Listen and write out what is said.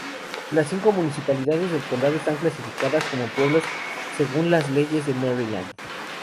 Las cinco municipalidades del condado están clasificadas como pueblos según las leyes de Maryland.